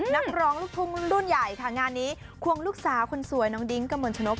นักร้องลูกทุ่งรุ่นใหญ่ค่ะงานนี้ควงลูกสาวคนสวยน้องดิ้งกระมวลชนก